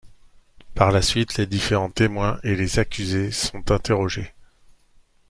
Par la suite, les différents témoins et les accusés sont interrogés.